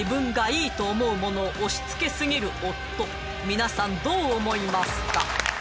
皆さんどう思いますか？